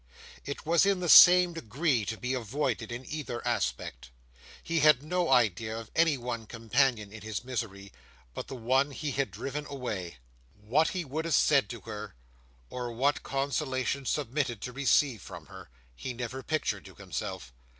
It was in the same degree to be avoided, in either aspect. He had no idea of any one companion in his misery, but the one he had driven away. What he would have said to her, or what consolation submitted to receive from her, he never pictured to himself.